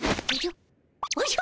おじゃ？